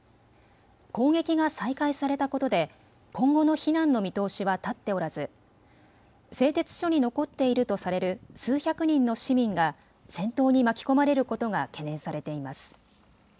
攻撃が再開されたことで今後の避難の見通しは立っておらず製鉄所に残っているとされる数百人の市民が戦闘に巻き込まれることが懸念されています。